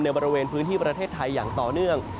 บริเวณพื้นที่ประเทศไทยอย่างต่อเนื่อง